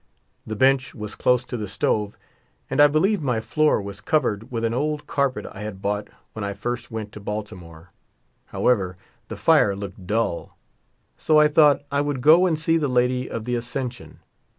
The bench was close to the stove, and I believe my floor was covered with an old carpet I had bought when I first went to Baltimore ; however, the fire looked dull, so I thought I would go and see the lady of the Ascension.